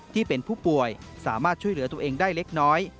ที่เป็นผู้ป่วยสามารถช่วยเหลือตัวเองได้เล็กน้อย